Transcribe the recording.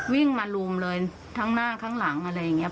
วิ่งมารุมเลยทั้งหน้าข้างหลังอะไรอย่างนี้